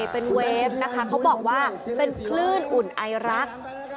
เป็นเวฟนะคะเขาบอกว่าเป็นคลื่นอุ่นไอรัก